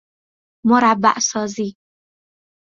مربع سازی